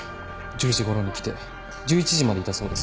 １０時ごろに来て１１時までいたそうです。